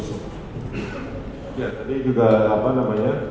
ya tadi juga apa namanya